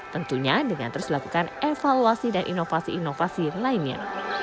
tentunya dengan terus melakukan evaluasi dan inovasi inovasi lainnya